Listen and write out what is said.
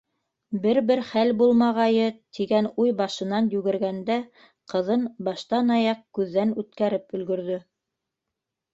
«бер-бер хәл булмағайы» тигән уй башынан йүгергәндә, ҡыҙын баштан-аяҡ күҙҙән үткәреп өлгөрҙө.